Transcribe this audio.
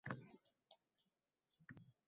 shaxsning yuksalishiga xizmat qilmagani